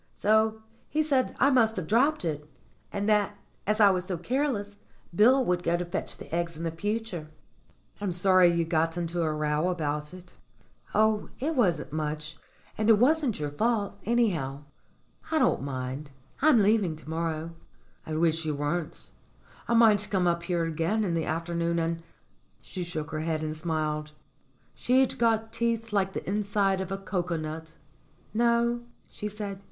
So he said I must have dropped it, and that, as I was so careless, Bill would go to fetch the eggs in future." "I'm sorry you got into a row about it." "Oh, it wasn't much ; and it wasn't your fault, any how. I don't mind I'm leaving to morrow." "I wish you weren't. I might come up here again in the afternoon and " She shook her head and smiled. She'd got teeth like the inside of a cocoa nut. "No," she said.